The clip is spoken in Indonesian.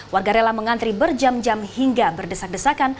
warga rela mengantri berjam jam hingga berdesak desakan